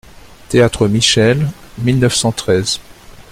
Théâtre Michel, mille neuf cent treize.